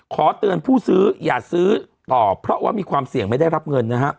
ขอเตือนผู้ซื้ออย่าซื้อต่อเพราะว่ามีความเสี่ยงไม่ได้รับเงินนะฮะ